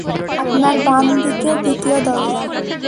আপনার বাম দিকে দ্বিতীয় দরজা।